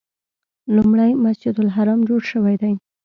لومړی مسجد الحرام جوړ شوی دی.